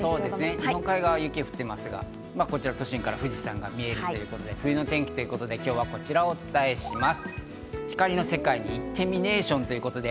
日本海側は雪が降っていますが、都心からは富士山が見えるということで、冬の天気ということで今日はこちらをお伝えします。